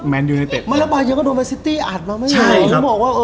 มาแล้วบาซ่าก็โดนเวอร์เซตตี้อัดแล้วไม่รู้